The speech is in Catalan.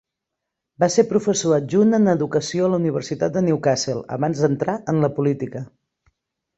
Va ser professor adjunt en Educació a la Universitat de Newcastle abans d'entrar en la política.